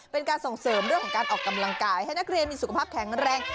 เป็นการส่งเสริมเรื่องของการออกกำลังกายให้นักเรียนมีสุขภาพแข็งแรง